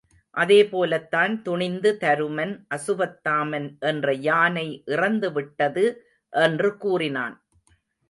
அதே போலத்தான் துணிந்து தருமன் அசுவத்தாமன் என்ற யானை இறந்து விட்டது என்று கூறினான்.